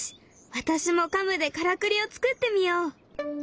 私もカムでからくりを作ってみよう。